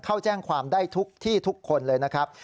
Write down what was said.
เข้าแจ้งความได้ทุกที่ทุกคนเลยนะครับ